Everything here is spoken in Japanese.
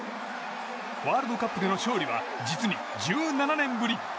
ワールドカップでの勝利は実に１７年ぶり。